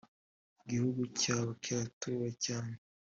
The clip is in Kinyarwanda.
igihugu cyabo kiratuwe cyane.